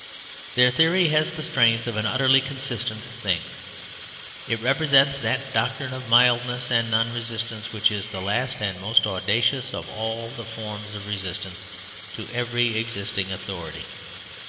Their theory has the strength of an utterly consistent thing. It represents that doctrine of mildness and non resistance which is the last and most audacious of all the forms of resistance to every existing authority.